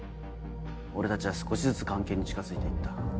俺たちは少しずつ菅研に近づいて行った。